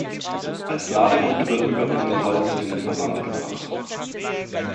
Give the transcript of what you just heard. Als Ladegut wird überwiegend Holz in den Versand gebracht.